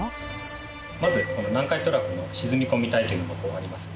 まずこの南海トラフの沈み込み帯というのがあります。